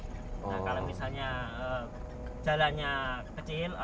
nah kalau misalnya jalannya kecil